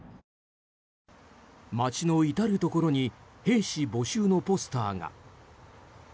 街の至るところに兵士募集のポスターが。